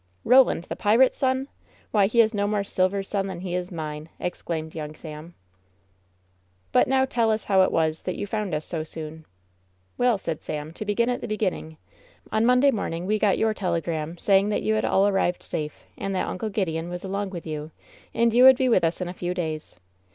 "Roland the pirate's sonl Why, he is no more Sil ver's son than he is mi^e 1" exclaimed young Sam. "But, now tell us how it was that you foumd us so aoon ?" 1S8 WHEN SHADOWS DIE ^Well," said Sam, ^to begin at the beginning: On Monday morning we got your telegram saying that you had all arrived safe, and that Uncle Gideon was along with you, and you would be with us in a few days.